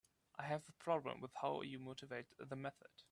I have a problem with how you motivate the method.